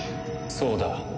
そうだ。